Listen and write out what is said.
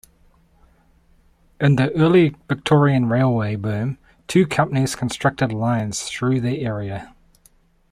In the early Victorian railway boom two companies constructed lines through the area.